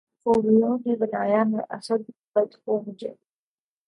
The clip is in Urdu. خوبرویوں نے بنایا ہے اسد بد خو مجھے